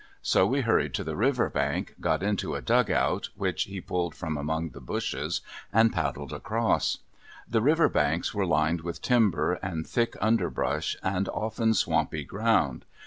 So we hurried to the river bank, got into a "dug out" which he pulled from among the bushes, and paddled across. The river banks were lined with timber and thick underbrush, and often swampy ground.